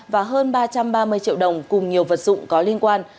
và hơn ba trăm ba mươi triệu đồng cùng nhiều vật dụng có liên quan